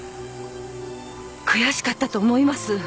悔しかったと思います。